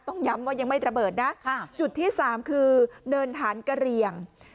ต้องย้ำว่ายังไม่ระเบิดนะจุดที่สามคือเนินฐานกะเรียง